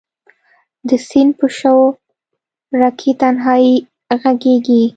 د سیند په شو رکې تنهایې ږغیږې